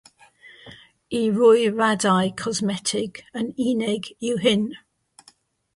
I ryw raddau, cosmetig yn unig yw hyn.